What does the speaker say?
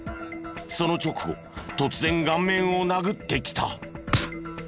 その直後突然顔面を殴ってきた。